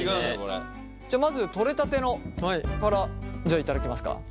じゃまずとれたてのから頂きますか。